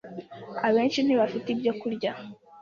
Abenshi ntibafite ibyo kurya